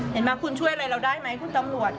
เห็นไหมคุณช่วยอะไรเราได้ไหมคุณตำรวจ